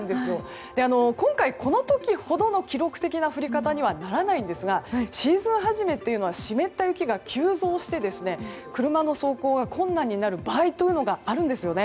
今回この時ほどの記録的な降り方にはならないんですがシーズン初めというのは湿った雪が急増して車の走行が困難になる場合があるんですよね。